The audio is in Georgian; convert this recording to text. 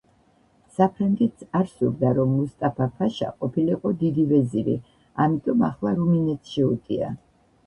საფრანგეთს არ სურდა, რომ მუსტაფა-ფაშა ყოფილიყო დიდი ვეზირი, ამიტომ ახლა რუმინეთს შეუტია.